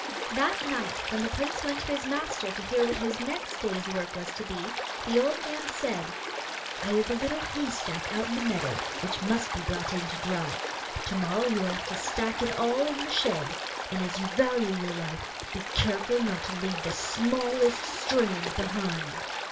That night, when the prince went to his master to hear what his next day's work was to be, the old man said: 'I have a little hay stack out in the meadow which must be brought in to dry. To morrow you will have to stack it all in the shed, and, as you value your life, be careful not to leave the smallest strand behind.